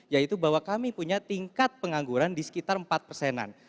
yaitu bahwa kami punya tingkat pengangguran di sekitar empat persenan